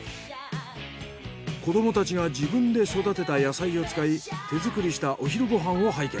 子どもたちが自分で育てた野菜を使い手作りしたお昼ご飯を拝見。